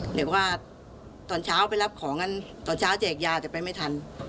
เรียกว่าตอนเช้าไปรับของกันตอนเช้าแจกยาแต่ไปไม่ทัน